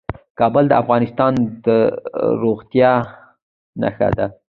کابل د افغانستان د زرغونتیا نښه ده.